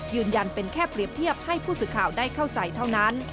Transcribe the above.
ยืนยันเป็นแค่เปรียบเทียบให้ผู้สื่อข่าวได้เข้าใจเท่านั้น